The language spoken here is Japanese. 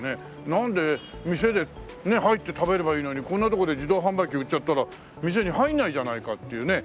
なんで店で入って食べればいいのにこんなとこで自動販売機で売っちゃったら店に入らないじゃないかっていうね。